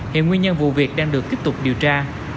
hiện nguyên nhân vụ việc đang được tiếp tục điều tra